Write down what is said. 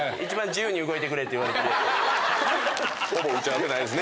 ほぼ打ち合わせないですね